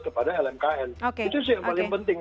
kepada lmkn itu sih yang paling penting